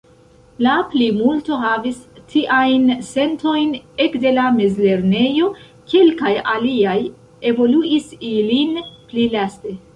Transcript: La plimulto havis tiajn sentojn ekde la mezlernejo; kelkaj aliaj evoluis ilin pli laste.